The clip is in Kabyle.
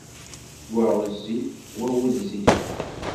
Wa ɣezzif, wa wezzil.